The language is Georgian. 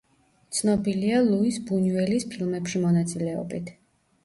ცნობილია ლუის ბუნიუელის ფილმებში მონაწილეობით.